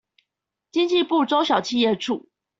經濟部中小企業處